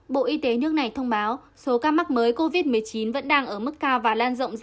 bộ y tế nước này thông báo số ca mắc mới covid một mươi chín vẫn đang ở mức cao và lan rộng